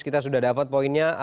kita sudah dapat poinnya